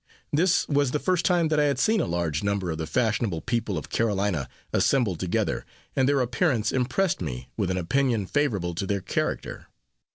This was the first time that I had seen a large number of the fashionable people of Carolina assembled together, and their appearance impressed me with an opinion favorable to their character.